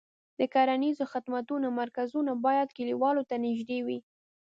د کرنیزو خدمتونو مرکزونه باید کليوالو ته نږدې وي.